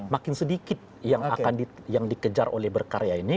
makin sedikit yang dikejar oleh berkarya ini